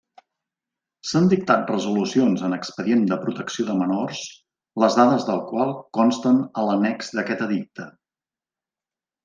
S'han dictat resolucions en expedient de protecció de menors les dades del qual consten a l'annex d'aquest Edicte.